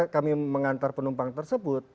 kami mengantar penumpang tersebut